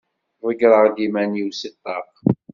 Ḍeggreɣ-d iman-iw si ṭṭaq.